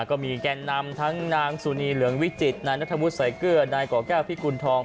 ก็มีแก่นนำทั้งนางสุนีเหลืองวิจิตรนางนัทบุษย์ใส่เกลือนายก่อก้าวแก้วพี่กุณฑอง